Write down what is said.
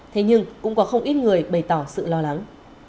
thế nhưng cũng có không ít người bày tỏ sự lo lắng